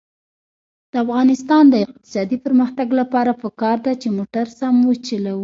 د افغانستان د اقتصادي پرمختګ لپاره پکار ده چې موټر سم وچلوو.